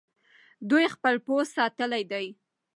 دوی خپل پوځ ساتلی دی.